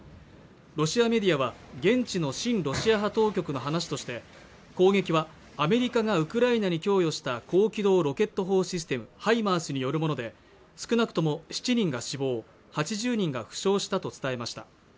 ロシアメディアは現地の親ロシア派当局の話として攻撃はアメリカがウクライナに供与した高機動ロケット砲システムＨＩＭＡＲＳによるもので少なくとも７人が死亡８０人が負傷したと伝えました